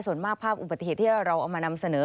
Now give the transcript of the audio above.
ส่วนมากภาพอุบัติเหตุที่เราเอามานำเสนอ